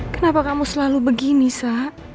kenapa kamu selalu begini sah